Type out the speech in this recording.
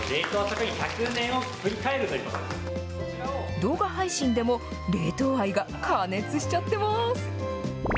動画配信でも冷凍愛がかねつしちゃってます。